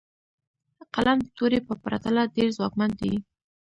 قلم د تورې په پرتله ډېر ځواکمن دی.